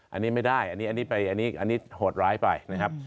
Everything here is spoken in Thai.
อันนี้ไม่ได้อันนี้โหดร้ายไปนะครับ